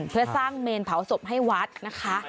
เพื่อสร้างเมนเผาศพให้วัดนะคะ